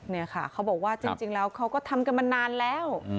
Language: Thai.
เนี่ยค่ะเขาบอกว่าจริงแล้วเขาก็ทำกันมานานแล้ว